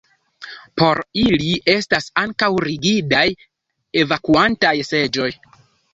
Por ili estas ankaŭ rigidaj evakuantaj seĝoj.